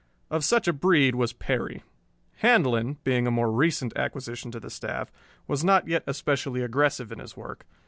Of such a breed was Perry. Handlon, being a more recent acquisition to the staff, was not yet especially aggressive in his work.